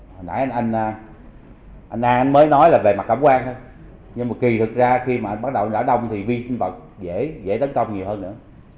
hồi nãy anh an mới nói là về mặt cảm quan thôi nhưng mà kỳ thực ra khi mà bắt đầu rã đông thì vi sinh vật dễ tấn công nhiều hơn nữa